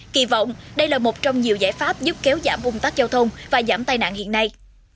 kỳ vọng đây là một trong nhiều giải pháp giúp kéo giảm ung tắc giao thông và giảm tai nạn hiện nay